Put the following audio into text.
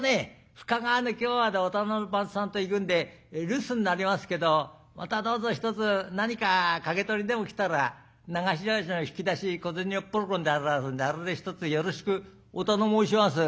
深川の木場までお店の番頭さんと行くんで留守になりますけどまたどうぞひとつ何か掛け取りでも来たら流しの引き出しに小銭をおっぽり込んどいてありますんであれでひとつよろしくお頼申します。